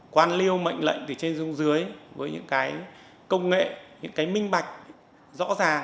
quan liêu mệnh lệnh từ trên xuống dưới với những cái công nghệ những cái minh bạch rõ ràng